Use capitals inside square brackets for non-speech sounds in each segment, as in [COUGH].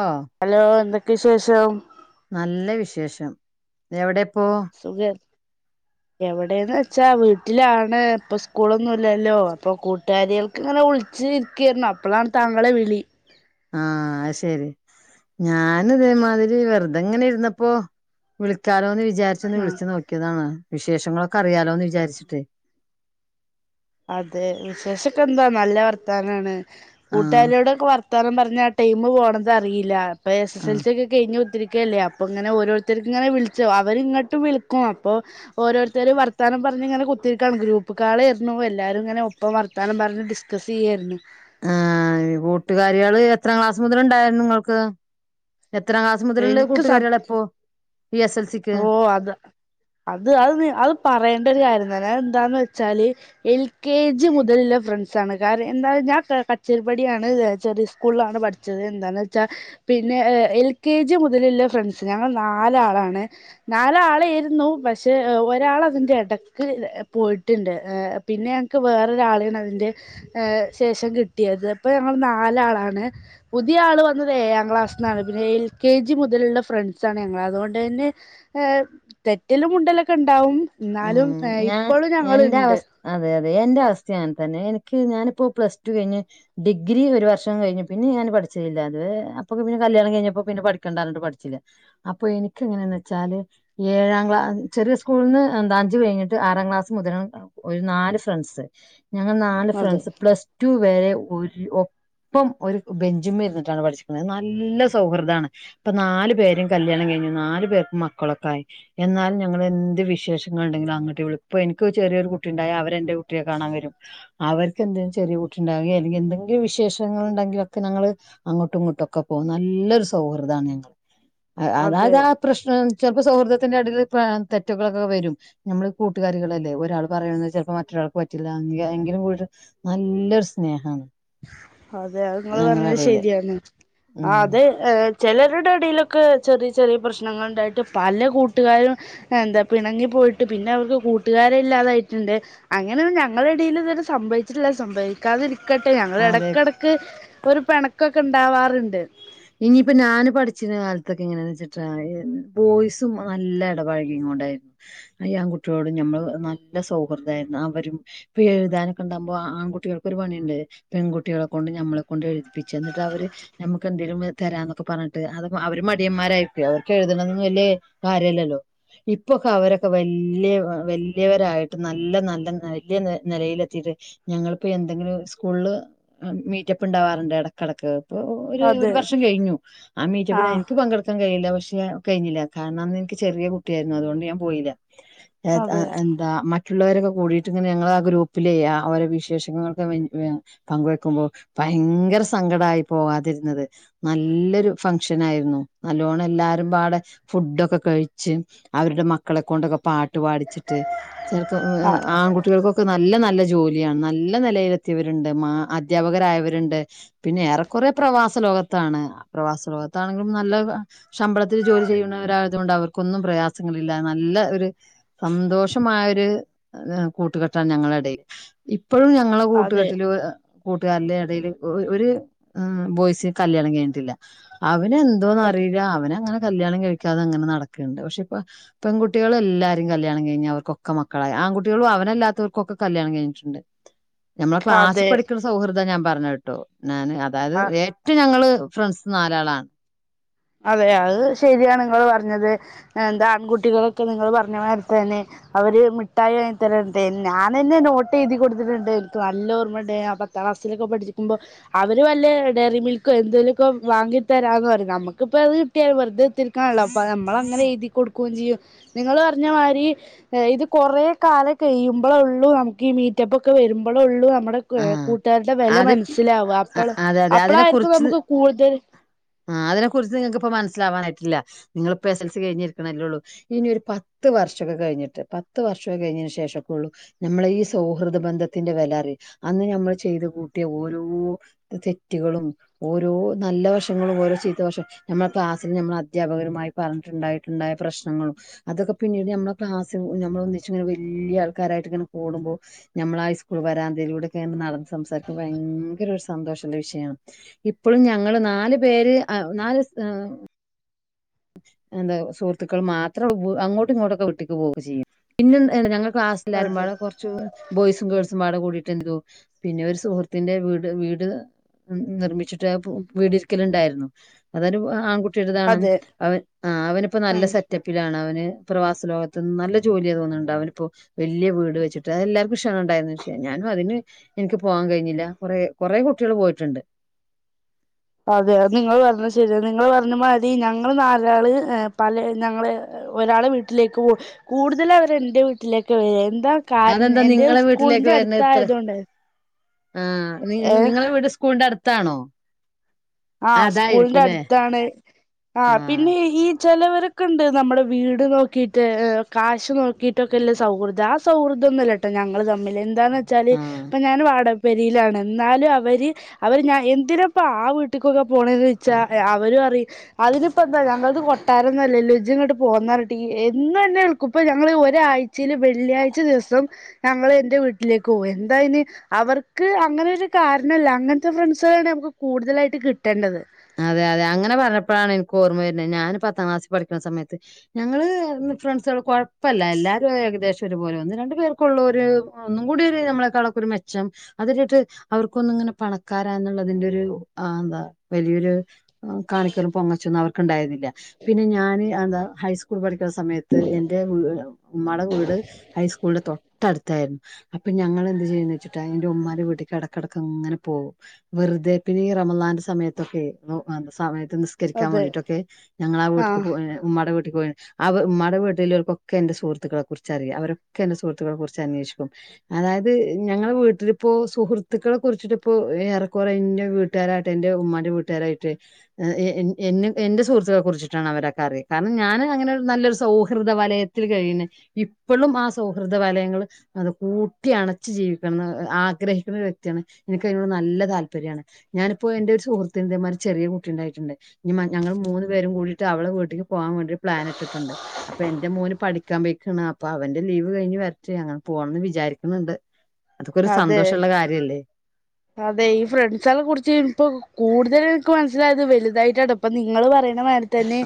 ഓ hello ന്ത് ക്ക്ശേഷം നല്ല വിശേഷം എവിടെ ആ സുഖാ എവിടേന്നച്ചാ വീട്ടിലാണ് പ്പസ്കൂളൊന്നുല്ലല്ലോ അപ്പൊ കൂട്ടുകാരികൾക്ക്ങ്ങനെ വിളിച്ചിരിക്കേര്നു അപ്പളാണ് താങ്കളെ വിളി ആ ഐശെരി ഞാനിതേമാതിരി വെറുതെങ്ങനെരുന്നപ്പോ വിളിക്കാലോന്ന് വിച ചാരിച്ചൊന്ന് ആ വിളിച്ചു നോക്കിയതാണ് വിശേഷങ്ങളൊക്കെ അറിയാലോന്ന് വിചാരിച്ചിട്ട് അതെ വിശേഷക്കെന്താ നല്ല വർത്താനാണ്. ആഹ് കൂട്ടാരോടെക്കെ വർ ത്താനം പറഞ്ഞാ ടൈം പോണത് അറീല്ലാ പ്പ എസ്സ് എസ്സ് എൽ ആഹ് സ്യൊക്കെ കെഴിഞ്ഞ്കുത്തിരി ക്കല്ലേ അപ്പൊ ഇങ്ങനെ ഓരോര്ത്തര്ക്ക് ങ്ങനെ വിളിച്ചോ അവരിങ്ങോട്ടും വിളിക്കും അപ്പോ ഓരോര് ത്തര് വർത്താനം പർഞ്ഞിങ്ങനെ കുത്തിരിക്കാണ് ഗ്രൂപ്പ് കളേര് ന്നു. എല്ലാരുങ്ങനെ ഒപ്പം വർത്താനം പർഞ്ഞ് ഡിസ്കസെയ്യായിര്ന്നു ആ കൂട്ടുകാരികള് എത്ര ക്ലാസ് മുതല്ണ്ടായിരുന്നു ങ്ങൾക്ക് എത്രാം ക്ലാസ് മുതലുള്ള എനിക്ക് സത്യം കൂട്ടുകാരികളാപ്പോ ഓ അത് അത് അത് അഅ് പറയണ്ട ഒരു കാര്യ ങ്ങനെ അഅ് എന്താന്ന് വെച്ചാല് എൽ കെ ജി മുതലുള്ള ഫ്രണ്ട്സാണ് കാര്യ എന്താ ഞാൻ കച്ചേരിപ്പടിയാണ് ചെറിയ സ്കൂളിലാണ് പഠിച്ചത് എന്താന്ന് വെച്ചാ പിന്നെ എൽ കെ ജി മുതലുള്ള ഫ്രണ്ട്സ് ഞങ്ങൾ നാലാളാണ് നാലാളേയിര്ന്നു പക്ഷെ ഒരാളതിന്റെടക്ക് പോയിട്ട്ണ്ട് പിന്നെ ഞങ്ങക്ക് വേറൊരാളെണ് അതിന്റെ ശേഷം കിട്ടിയത് അപ്പൊ ഞങ്ങൾ നാലാളാണ് പുതിയ ആൾ വന്നത് എയാം ക്ലാസ്സ്ന്നാണ് പിന്നെ എൽ കെ ജി മുതലുള്ള ഫ്രണ്ട്സാണ് ഞങ്ങള് അതൊണ്ടെന്നെ ഏം തെറ്റലും മുണ്ടലൊക്കെണ്ടാവും ഉം ന്നാലും ഞാൻ ഇപ്പോളും എന്റെ ഞങ്ങള്ണ്ട് അവസ് അതെ എന്റെ അവസ്ഥി അങ്ങൻതന്നെ എനിക്ക് ഞാനിപ്പോ പ്ലസ് ടു കഴിഞ്ഞ് ഡിഗ്രി ഒരു വർഷം കഴിഞ്ഞ് പിന്നെ ഞാൻ പഠിച്ചതില്ല അത് അപ്പൊ പിന്നെ കല്യാണം കഴിഞ്ഞപ്പോ പിന്നെ പഠിക്കണ്ടാർഞ്ഞിട്ട് പഠിച്ചില്ല അപ്പൊ എനിക്ക് എങ്ങനെ ന്നച്ചാല് ഏഴാം ക്ലാ ചെറിയ സ്കൂളിൾന്ന് എന്ത അഞ്ചു കഴിഞ്ഞിട്ട് ആറാം ക്ലാസ് മുതലാണ് ഒരു നാല് ഫ്രണ്ട്സ് ഞങ്ങൾ നാല് അതെ ഫ്രണ്ട്സ് പ്ലസ് ടു വരെ ഒരു ഒപ്പം ഒരു ബെഞ്ചും മരുന്നിട്ടാണ് പഠിച്ചിക്കുന്നത് നല്ല സൗഹൃദമാണ് ഇപ്പൊ നാലു പേരും കല്യാണം കഴിഞ്ഞു നാലു പേർക്ക് മക്കളൊക്കെ ആയി എന്നാലും ഞങ്ങള് എന്ത് വിശേഷ ഉണ്ടെങ്കിലും അങ്ങോട്ടേള്ള ഇപ്പ എനിക്ക് ചെറിയൊരു കുട്ടി ഉണ്ട അവരെ എന്റെ കുട്ടിയെ കാണാൻ വരും അവർക്ക്ന്തെങ്കിലും ചെറിയ കുട്ടി ഉണ്ടാവോ അല്ലെങ്കിൽ എന്തെങ്കില വിശേഷങ്ങൾ ഉണ്ടെങ്കിലൊക്കെ ഞങ്ങള്ൾ അങ്ങോട്ടും ഇങ്ങോട്ടുംക്കെ പോകും നല്ലൊരു സൗഹൃദമാണ് ഞങ്ങൾ അതെ അതാത് ആ പ്രശ്ന ചപ്പ സൗഹൃദ ത്തിന്റെ അടൽ തെറ്റുകളൊക്കെ വരും നമ്മള് കൂട്ടുകാരികൾല്ലേ ഒരാൾ പറയുന്നത് ചിലപ്പോ മറ്റൊരാൾക്ക് പറ്റില്ല എങ്കിലും കൂ നല്ലൊരു സ്നേഹമാണ് അതെ അ നിങ്ങൾ പറഞ്ഞത് ശരിയാണ് ഉം ആ അതെ ചിലരുടെ അടിയി ക്കെ ചെറിയ ചെറിയ പ്രശ്നങ്ങൾ ഉണ്ടായിട്ട് പല കൂട്ടുകാരും എന്താ പിണങ്ങി പോയിട്ട് പിന്നെ അവർക്ക് കൂട്ടുകാര ഇല്ലാതായിട്ടുണ്ട് അങ്ങനെ ഞങ്ങളുടെ ഇടയിൽ ഇതുവരെ സംഭവിച്ചിട്ടില്ല സംഭവരിക്കാതിരിക്ക ഒക്കട്ടെ ഞങ്ങളുടെ അതെ ഇട ഒരു പ പിണക്കൊക്കെ ഉണ്ടാവാറുണ്ട് ഇനിയിപ്പ ഞാന് പഠിച്ച അച്ചന് കാലത്തൊക്കെ ഇങ്ങനെയാന്ന് വെച്ചിട്ടാ ബോയ്സും നല്ല ഇടപാഴകി ഇ കൊണ്ടായിരുന്നു ഈ ആൺകുട്ടികളോടും ഞമ്മള് നല്ല സൗഹൃദായിരുന്നു അവരും ഇപ്പൊ എഴുതാനൊക്കെ ഉണ്ടാകുമ്പോ ആൺകുട്ടികൾക്കൊ ഒരു പണിയുണ്ട് പെൺകുട്ടികളെക്ക കൊണ്ട് ഞമ്മളെ കൊണ്ട് എഴുതിപ്പിച്ച എന്നിട്ട് അവര് നമുക്ക് എന്തെങ്കലും തരാന്നൊക്കെ പറഞ്ഞിട്ട് അത് അവര മടിയന്മാരായിക്ക അവർക്ക് എഴുതണന്ന് വലിയ കാര്യമല്ലല്ലോ ഇപ്പൊക്കെ അവരൊക്കെ വലിയ വലിയവരായിട്ട് നല്ല നല്ല വല്യ നിലയിലെത്തിട്ട് ഞങ്ങിപ്പോ എന്തെങ്കിലും സ്കൂളിൽ മീറ്റപ്പ് ഉണ്ടാവാറുണ്ട് ഇടക്കിടക്ക് അപ്പോ ഒരു ഒരു അതെ വർഷം കഴിഞ്ഞു അമ്മീച്ച ആ പിന്നെ എനിക്ക് പങ്കെടുക്കാൻ കഴിയില്ലക്ഷെ പക്ഷ കഴിഞ്ഞില്ല കാരണം അന്ന് എനിക്ക് ചെറിയ കുട്ടിയായിരുന്നു അതുകൊണ്ട് ഞാൻ പോയില്ല അതെ എന്താ മ മറ്റുള്ളവരൊക്കെ കൂടിയിട്ട് ഇങ്ങനെ ഞങ്ങ ആ ഗ്രൂപ്പിലെ ആ അവര വിശേഷങ്ങളൾക്കെ പങ്കുവെക്കുമ്പോ ഭയങ്കര സങ്കടയി പോക നല്ലൊരു ഫങ്ഷന ആയിരുന്നു നല്ലവണം എല്ലാരും പാടെ ഫുഡൊക്കെ കഴിച്ച് അവരുടെ മക്കളെ കൊണ്ടൊക്കെ പാ പാടിച്ചിട്ട് ച് ആ ആൺകുട്ടികൾക്കൊക്കെ നല്ല നല്ല ജോലിയാണ് നല്ല നിലയിലെത്തിയവരുണ്ട് അധ്യാപകരായവരുണ്ട് പിന്നെ ഏറെക്കറെ പ്രവാസ ലോകത്താണ് പ്രവാസ ലോകത്താണെങ്കിലും നല്ല ശമ്പളത്തിൽ ജോലി ചെയ്യുന്നവരായതുക കൊണ്ട് അവർക്കൊന്നും പ്രയാസങ്ങളില്ല നല്ല ഒരു സന്തോഷമായൊ ഒരു കൂട്ടുകെട്ടാണ് ഞങ്ങളടയിൽ ഇപ്പോഴും ഞങ്ങളെ അതെ കൂട്ടുകാരൽ കൂട്ടുക അല്ല ഇടയില് ഒരു ആ ബയ്സിന് കല്യാണം കഴിഞ്ഞിട്ടില്ല അവന എന്തോന്ന് അതെ അറിയില്ല അവന അങ്ങനെ കല്ണം കഴിക്കാതെ അങ്ങനെ നടക്കുണ്ട് പക്ഷെ ഇപ്പ പെൺകുട്ടികൾ എല്ലാരും കല്യാണം കഴിഞ്ഞാഞ് അവർക്കൊക്കെ മക്കളായി ആൺകുട്ടികളും അവനല്ലാത്തവർക്കൊക്കെ കല്യാണം കഴിഞ്ഞിട്ടുണ്ട് മ്മളെ ക്ലസി അതെ പഠിക്കുന്ന സൗഹൃദ ഞാൻ പറഞ്ഞ കേട്ടോ ഞൻ അതായത് ആ ഏറ്റ് ഞങ്ങള് ഫ്രണ്ട്സ് നാലാളാണ് അതെ അത് ശരിയാണ് നിങ്ങൾ പറഞ്ഞത് എന്താ ആൺകുട്ടികളൊക്കെ നിങ്ങള്ൾ പറഞ്ഞ മാര തന്നെ അവര് മിഠായി വാങ്ങി തര ഞാാനന്നെ നോട്ട് എഴുതി കൊടുത്തിട്ടുണ്ട് എനിക്ക് നല്ല ഓർമ്മുണ്ട് ആ പത്താം ക്ലാസ്സിലൊക്കെ പഠിക്കുമ്പോ അവര് വല്ല ഡെയയറി മിൽക്കോ എന്തേങ്കലുമൊക്കെ വാങ്ങി തരാന്ന് പറ നമ്മുക്ക് ഇപ്പ അത് കട്ടാണ് വെറുതെ ത്തിക്കാനണല്ലോ അപ്പ നമ്മള അങ്ങനെ എഴു കൊടുക്കുകയും ചെയ്യും നിങ്ങൾ പറഞ്ഞ മാതിരി ഇത് കൊറെ കാലം കഴിയുമ്പോഴേള്ളു നമുക്ക് ഈ മീറ്റപ്പ ഒക്കെ വരുമ്പോഴേ ഉള്ളു നമ്മുടെ ആഹ് കൂട്ടുകാരുടെ വില അത് മനസ്സിലാവുക അ- അപ്പൾ അതെ അതെ അതിനെ അപ്പളായിരിക്കും കുറിച്ച് നമുക്ക് കൂടുതൽ നിങ്ങൾക്കിപ്പ മനസ്സിലാവാനായിട്ടില്ല നിങ്ങിപ്പോ എസ് എൽ സി കഴിഞ്ഞിരിക്കണല്ലേള്ളൂ ഇനി ഒരു പത്ത് വർഷമൊക്കെ കഴിഞ്ഞിട്ട് പത്ത് വർഷമക്കെ കഴിഞ്ഞന് ശേഷൊക്കെ ഉള്ളൂ നമ്മള ഈ സൗഹൃദ ബന്ധത്തിന്റെ വിലറിയു അന്ന് ഞമ്മൾ ചെയ്ത് കൂട്ടിയ ഓരോ തെറ്റുകളും ഓരോ നല്ല വർഷങ്ങളും ഓരോ ചീത്ത വർഷം നമ്മുടെ ക്ലാസ്സിില് നമ്മൾ അധ്യാപകരുമായി പറഞ്ഞിട്ടുണ്ടായിട്ടുണ്ടായ പ്രശ്നങ്ങളും അതൊക്കെ പിന്നീട് നമ്മെ ക്ലാസ് നമ്മളെന്ന് വെച്ചനെ വലിയ ആൾക്കാരായിട്ട് ഇങ്ങനെ കടുമ്പോൾ നമ്മള ഹൈസ്കൂൾ വരാന്തയിലൂടെ നടന്ന് സംസാരിക്കുമ്പ ഭയങ്കര ഒരു സന്തോഷന്റെ വിഷയമാണ് ഇപ്പോഴും ഞങ്ങള് നാല് പേര് നാല് സ്ഥ എന്താ സുഹൃത്തുക്കൾ മാത്രം അങ്ങോട്ടും ഇങ്ങോട്ടൊക്കെ വിട്ടിക്ക് പോകുകെ ചെയ്യും പിന്നെ ഞങ്ങൾ ക്ലാസ്സില അതെ ആരുമ്പോടെ കുറച്ച് ബോയ്സും ഗേൾസും ട കൂടിയിട്ട് എന്തു പിന്നെ ഒരു സുഹൃത്തിന്റെ വീട് വീട് നിർമ്മിച്ചിട്ട് വീട് ഇരിക്കലുണ്ടായിരുന്നു അതൊരു ആൺകുട്ട [UNINTELLIGIBLE] അതെ അവൻ ആ അവനിപ്പോ നല്ല സെറ്റപ്പിലാണ് അവന് പ്രവാസലോകത്ത് നല്ല ജോലി തോന്നുന്നുണ്ട് അവനിപ്പോൊ വല്യ വീട് വെച്ചിട്ട് അ എല്ലാർക്കും ക്ഷണം ഉണ്ടായിരുന്നു ഞാനും അതിന് എനിക്ക് പോകാൻ കഴിഞ്ഞില്ല കുറെ കുറെേ കുട്ടികൾ പോയിട്ടുണ്ട് അതെ നിങ്ങൾ പറഞ്ഞത് ശരിയ നിങ്ങൾ പറ മതി ഞങ്ങൾ നരാള് പല ഞങ്ങൾ ഒരാളെ വീട്ടിലേക്ക് പോ കൂടുതല അവർൻ്റെ വീട്ടിലേക്ക് വരാ അതെന്താ നിങ്ങളെ വീട്ടിലേക്ക് വരണ ഇത്ര അടുത്തായതുകൊണ്ട് ആ നി ഏ നിങ്ങളെ വീട് സ്കൂളിന്റെ അടുത്ത് ത്താണോ ആ സ്കൂളിന്റെ അടുത്താണ് ആ ആഹ് പിന്നെ ഈ ചിലവർ ഒക്കണ്ട് നമ്മുടെ വീട് നോക്കിയിട്ട് കാശ് നോക്കിയിട്ടൊക്കെല്ല സൗഹൃദം ആ സൗഹൃദോന്നുമല്ല കേട്ടോ ഞങ്ങള് തമ്മിൽ എന്താന്ന് വച്ചാല് ആഹ് ഇപ്പൊ ഞാൻ വാടക പെരയിലാണ് എന്നാലും അവര് അവര് ഞാൻ എന്തിനപ്പ ആട്ട വട്ടിക്കൊക്കെ പോണന്ന് ചോദച്ചാ അവരും അറി അതിനിപ്പോ എന്താ ഞങ്ങളത് കൊട്ടാരംന്നല്ലേ ലുജംങ്ങോട്ട് പോകന്നരട്ട എന്ന് തന്നെ എൾക്കും ഇപ്പ ഞങ്ങള് ഒരാഴ്ചയിൽ വെള്ളിയാഴ്ച ദിവസം ഞങ്ങൾ എന്റെ വീട്ടിലേക്ക് പോകും എന്തായന് അവർക്ക് അങ്ങനെ ഒരു കാരണല്ല അങ്ങനത്തെ ഫ്രണ്ട്സ നമുക്ക് കൂടുതലായിട്ട് കിട്ടേണ്ടത് അതെ അതെ അങ്ങനെ പറഞ്ഞപ്പോഴാണ് എനിക്ക് ഓർമ്മ വരുന്നത് ഞാാന് പത്താം ക്ലാസിൽ പഠിക്കുന്ന സമയത്ത് ഞങ്ങള്ൾ ഫ്രണ്ട്സുകൾ കൊഴപ്പമല്ല എല്ലാരും ഏകദേശം ഒരുപോലെ ഒന്ന് രണ്ടണ്ട് പേർക്കുള്ള ഒരു ഒന്നും കൂടി ഒരു നമ്മളെക്കാളക്ക ഒരു മെച്ചം അത് അവർക്കൊന്ന ഇങ്ങനെ പണക്കാരാ എന്നുള്ളതിന്റെ ഒരു ആ എന്താ വലിയൊരു കാണിക്കൊന്നും പൊങ്ങച്ചൊന്നും അവർക്കു ണ്ടായിരുന്നില്ല പിന്നെ ഞാാന് എന്താ ഹൈസ്കൂൾ പഠിക്ക സമയത്ത് എന്റെ ഉമ്മായുടെ വീട് ഹൈസ്കൂളിന്റെ തൊട്ടടുത്തായിരുന്നു അപ്പൊ ഞങ്ങൾ എന്ത് ചെയ്യന്ന് വെച്ചിട്ടാ എന്റെ ഉമ്മാ ന്റെ വീട്ടേക്ക് അടക്കടക്ക്ങ്ങെ പോകും വെറുതെ പിന്നെ റമലാന്റെ സമയത്ത് ക്കെ [UNINTELLIGIBLE] നിസ്കരിക്കാൻ അതെ വേണ്ടിയിട്ടൊക്കെ ഞങ്ങളുടെ വീട്ടിൽ ആഹ് പോ ഉമ്മടെ വീട്ടിൽ പോയി അവ ഉമ്മാടെ വീട്ടിലവർക്കൊക്കെ എന്റെ സുഹൃത്തുക്കളെ കുറിച്ച്റിയും അവരൊക്കെ എറെ സുഹൃത്തുക്കെ കുറിച്ച് അന്വേഷിക്കും അതായത് ഞങ്ങളെ വീട്ടിലിപ്പോൊ സുഹൃത്തുക്കളെ കുറിച്ചിട്ടിപ്പോ ഏറെക്കുറെ എന്റെറെ വീട്ടുകാരായിട്ട് എറെ ഉ വീട്ടുകാരായിട്ട് എന്റെ സുഹൃത്തുക്കളെ കുറിച്ചിട്ടാണ് അവരൊക്കെ അറിയുക കാരണം ഞൻ അങ്ങനെ നല്ലരു സൗഹൃദ വലയത്തിൽ കഴി ഇപ്പോഴും ആ സൗഹൃദ വലയങ്ങൾ അത് കൂട്ടി അണച്ച് ജീവിക്കണം ആഗ്രഹിക്കുന്ന ഒരു വ്യക്തിയാണ് എനിക്കതിനോട് നല്ല താല്പര്യമാണ് ഞാനിപ്പോ എന്റെ സുഹൃ തമാതിരി ചെറിയ കുട്ടി ഉണ്ടായിട്ടുണ്ട് ഇനി ഞങ്ങള് മൂന്ന് പേരും കൂടിട്ട് അവള വീട്ടക്ക് പോവാൻ വേണ്ടി പ്ലാനിട്ടിട്ടുണ്ട് അപ്പൊ എൻന്റെ മോന് പഠിക്കാൻ പോയിക്ക അപ്പൊ അവന്റെ ലീവ് കഴിഞ്ഞ് വരട്ടെ അങ്ങനെ പോകണംന്ന് വിചാരിക്കുന്നുണ്ട് അതൊക്കൊരു അതെ സന്തോഷള്ള കാര്യല്ലേ അതെ ഈ ഫ്രണ്ട്സളെ കുറിച്ച് ഇപ്പൊ കൂടുതല് ഇന്ക്ക് മനസ്സിലായത് വലുതായിട്ടാ ട്ടോ ഇപ്പൊ നിങ്ങള് പറയണ മാ തന്നെ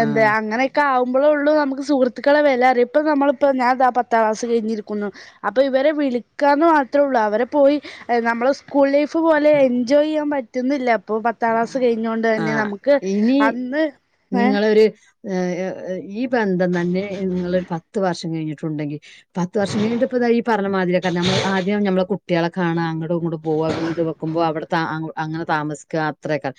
എന്താ അങ്ങനെയൊക്കെആവു ബളൊള്ളൂ ഉള്ളൂ നമുക്ക് സുഹൃത്തുക്കളെ വിലഅറിയ ഇപ്പ നമ്മളിപ്പോ ഞാൻ ഇതാ പത്താം ക്ലാസ് കഴിഞ്ഞിരിക്കുന്നു അപ്പ ഇവരെ വിളിക്കാന്ന് മാത്രേള്ളൂ അവരെ പോയി നമ്മളെ സ് സ്കൂൾ ലൈഫ് പോലെ എൻജോയ് ചെയ്യാൻ പറ്റുന്നില്ല പ്പൊ പത്താം ക്ലാസ്‌ സ്‌ കഴിഞ്ഞൊണ്ട് തന്നെ ആഹ് നമുക്ക് അന്ന് ഏ ഏ ഏ ഈ ഇപ്പൊ ന്താ ന്നെനെ ങ്ങളൊരു പത്ത് വർഷം കഴിഞ്ഞിട്ട് ട്ടുണ്ടെിൽ പത്ത് വർഷം കഴിഞ്ഞട്ട് ഇപ്പോ ദാ ഈ പറഞ്ഞ മാതിരിക്കെർ ഞ്ഞാ ആദ്യം നമ്മള കുട്ട്യാളെ കാണാം അങ്ങട്ട് അങ്ങട്ട പോവാ വീട് വക്കുമ്പോ അവിടെ താ അങ്ങോ അങ്ങനെ താമസിക്കാ അത്രയക്കെ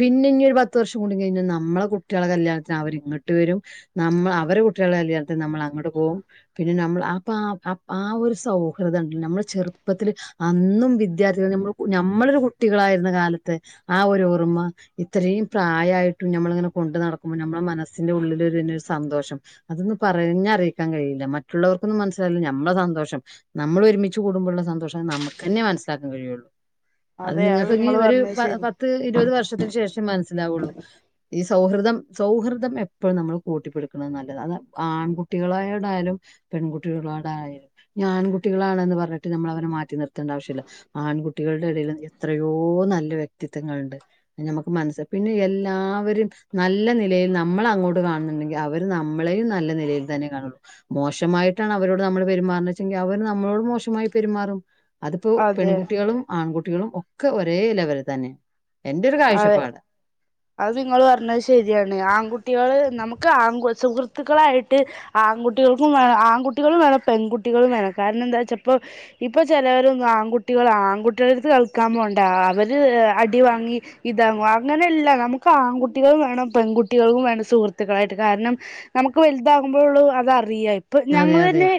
പിന്നെ ഇഞ്ഞൊരു പത്ത് വർഷം കൂടികയിഞ്ഞാ നമ്മളെ കുട്ട്യാളെ കല്യാണത്തിന് അവരി ഇങ്ങട്ട് വരും നമ്മള് അവരെ കുട്ട്യാളെ കല്യാണത്തിന് നമ്മള് അങ്ങട്ട് പോകും പിന്നെ നമ്മള് അപ്പ ആ ഒരു സൗഹൃദം ണ്ട് നമ്മള് ചെറുപ്പത്തിൽ അന്നും വിദ്യാർത്ഥികൾ നമ്മ നമ്മളൊരു കുട്ടികളായിരുന്ന കാലത്തെ ആ ഒരു ഓർമ്മ ഇത്രയും പ്രായായിട്ടും ഞമ്മളിങ്ങനെ കൊണ്ട് നടക്കുമ്പോ നമ്മളെ മനസ്സിന്റെ ഉള്ളിലൊരുന്നെ ഒരു സന്തോഷം അതൊന്നന്ന് പറഞ്ഞറിയിക്കാൻ കഴിയില്ല മറ്റുള്ളവർക്കൊന്നും മനസ്സിലായില്ല നമ്മളെ സന്തോഷം നമ്മൾ ഒരുമിച്ച് കൂടുമ്പോള്ള സന്തോഷം നമുക്കെന്നെ മനസ്സിലാക്കാൻ കഴിയൊള്ളു അത് അതെ നിങ്ങൾക്ക് ഇനി നിങ്ങള് ഒരു പറഞ്ഞത് പ ശരി പത്ത് ഇരുപത് വർഷംത്ത് ത്തിന് ശേഷം മനസ്സിലാവുള്ളു ഈ സൗഹൃദം സൗഹൃദം എപ്പോഴും നമ്മള് കൂട്ടിപ്പിടുക്ക്ണെ നല്ലതാ അത് ആൺകുട്ടികളോടായാലും പെൺകുട്ടികളോടായാലും ഇഞ്ഞ് ആൺകുട്ടികളാണെന്ന് പറഞ്ഞിട്ട് നമ്മൾ അവനെ മാറ്റി നിർത്തണ്ട ആവശ്യല്ല ആൺകുട്ടികളുടെ എടയിലും എത്രയോ നല്ല വ്യക്തിത്വങ്ങൾണ്ട് ഞമ്മക്ക് മൻസ പിന്നെ എല്ലാവരും നല്ല നിലയിൽ നമ്മള് അങ്ങോട്ട് കാണുന്നുണ്ടെങ്കിൽ അവര് നമ്മളെയും നല്ല നിലയിൽ തന്നെ കാണുള്ളൂ മോശമായിട്ടാണ് അവരോട് നമ്മള് പെരുമാർണേച്ചെങ്കി അവര് നമ്മളോടും മോശമായി പെരുമാറും അതിപ്പോ അതെ പെൺകുട്ട്യാളും ആൺകു കുട്ട്യാളും ഒക്കെ ഒരേ ലെവല് തന്നെ എൻ ന്റൊരു അതെ കാഴ്ച്ചപ്പാട് അത് നിങ്ങള് പറഞ്ഞത് ശെര്യാണ് ആൺകുട്ട്യാള് നമ് ക്ക് ആങ്കു സുഹൃത്തുക്കളായിട്ട് ആൺകുട്ടികൾക്കും വേണം ആൺകുട്ടികളും വേണം പെൺകുട്ടികളും വേണം കാരണം ന്താച്ചപ്പോ ഇപ്പൊ ചിലവരൊന്നും ആൺകുട്ടികള് ആൺകുട്ടികളടുത്ത് കളിക്കാൻ പോണ്ട അവര് അടി വാങ്ങി ഇതാവും അങ്ങനെ എല്ലാ നമുക്ക് ആൺകുട്ടികളും വേണം പെൺകുട്ടികളും വേണം സുഹൃത്തുക്കളായിട്ട് കാരണം നമുക്ക് വലുതാകുമ്പോള്ളൂ അത് അറിയെ ഇപ്പൊ അതെ അതെ ഞങ്ങളെന്നെ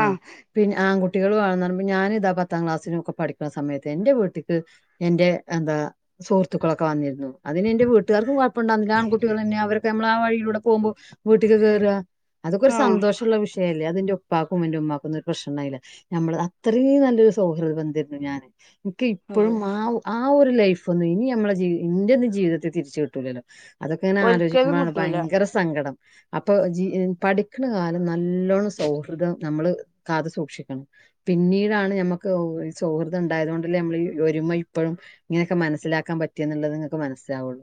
ആ കുട്ടികള് വാണംന്നറിമ്പോ ഞാനിതാ പത്താം ക്ലാസ്സിനൊക്കെ പഠിക്കുന്ന സമയത്ത് എന്റെ വീട്ടിക്ക് എന്റെ എന്താ സുഹൃത്തുക്കളൊക്കെ വന്നിരുന്നു അതിന് ന്റെ വീട്ടുകാർക്കും കുഴപ്പണ്ടായിർന്നില ആൺകുട്ടലെന്നെ അവർക്ക് നമ്മള ആ വഴിയിലൂടെ പോകുമ്പൊ വീട്ടിക്ക് കേറാ ആ സന്തോഷള്ള വിഷയ അല്ല അത് ന്റെ ഉപ്പാക്കും ഉമാക്കുംന്നും ഒരു പ്രശ്നംണ്ടായില്ല നമ്മള് അത്രേം നല്ലൊരു സൗഹൃദബന്ധേർന്നു ഞാന് നിക്ക് അതെ ഇപ്പോഴും ആവു ആ ഒരു ലൈഫ്ന്നും ഇനി നമ്മളെ ജീവി ഇന്റെ ഒന്നും ജീവിത്തിൽ തിരിച്ചുകിട്ടൂലല്ലോ അതൊക്കെ ങ്ങനെ ഒരിക്കലും ആലോചിക്കുമ്പോണ് കിട്ടൂല ഭയങ്കര സങ്കടം അപ്പൊ ജ്ജ് ഈ പഠി ക്കണ കാലം നല്ലോണം സൗഹൃദം നമ്മള് കാത്തു സൂക്ഷിക്കണം പിന്നീടാണ് ഞമ്മക്ക് ഔ ഈ സൗഹൃദം ഉണ്ടായത് കൊണ്ടല്ലേ നമ്മൾ ഈ ഒരുമ ഇപ്പോഴും ഇങ്ങനെയൊക്കെ മനസ്സിലാക്കാൻ പറ്റിയെന്നുള്ളത് ങ്ങക്ക് മനസ്സിലാവുള്ളു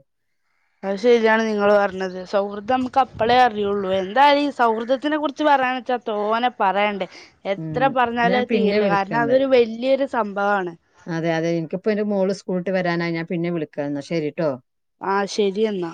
അത് ശരിയാണ് നിങ്ങള് പറഞ്ഞത് സൗഹൃദം നമുക്ക് അപ്പളേ അറിയുള്ളൂ എന്തായാലു ഈ സൗഹൃദത്തിനെ കുറിച്ച് പറയാന് ച്ചാ തോനെപറയാണ്ടേ എത്ര ഉം പറഞ്ഞാലും ഞാൻ അത് പിന്നെ തീരില്ല കാരണം വിളിക്കണ്ട് അതൊരു വെല്ല്യൊരു സംഭവാണ് അതെ അതെ എനിക്കിപ്പോ എന്റെ മോള് സ്കൂൾട്ട് വരാനായി ഞാൻ പിന്നെ വിളിക്കാ എന്നാ ശരിട്ടോ ആഹ് ശരിയെന്നാ